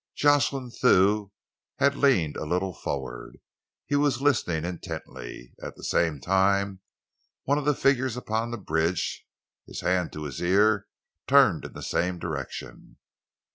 Jocelyn Thew had leaned a little forward. He was listening intently. At the same time, one of the figures upon the bridge, his hand to his ear, turned in the same direction.